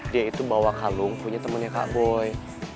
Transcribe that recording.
dia itu bawa kalung punya temennya kak boy